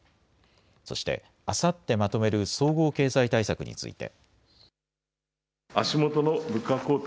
そして、あさってまとめる総合経済対策について。